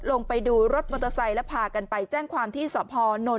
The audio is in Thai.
ลงไปดูรถมอเตอร์ไซค์และพากันไปแจ้งความที่สพนนท